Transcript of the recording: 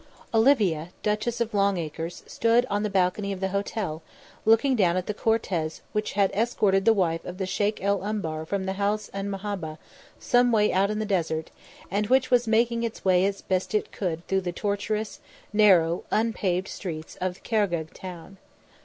Olivia Duchess of Longacres stood on the balcony of the hotel, looking down at the cortege which had escorted the wife of the Sheik el Umbar from the House 'an Mahabbah some way out in the desert and which was making its way as best it could through the tortuous, narrow, unpaved streets of Khargegh town.